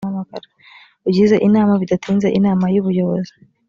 ugize inama bidatinze inama y’ubuyobozi